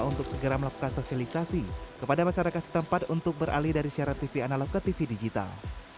untuk segera melakukan sosialisasi kepada masyarakat setempat untuk beralih dari siaran tv analog ke tv digital